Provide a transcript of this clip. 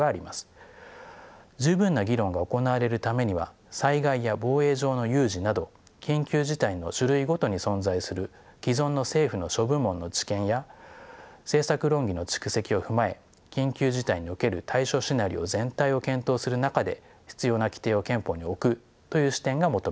十分な議論が行われるためには災害や防衛上の有事など緊急事態の種類ごとに存在する既存の政府の諸部門の知見や政策論議の蓄積を踏まえ緊急事態における対処シナリオ全体を検討する中で必要な規定を憲法に置くという視点が求められます。